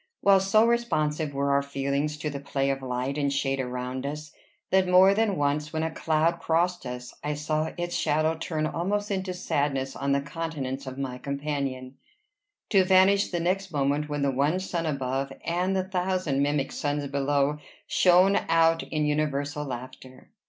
while so responsive were our feelings to the play of light and shade around us, that more than once when a cloud crossed us, I saw its shadow turn almost into sadness on the countenance of my companion, to vanish the next moment when the one sun above and the thousand mimic suns below shone out in universal laughter.